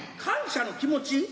「感謝の気持ち」？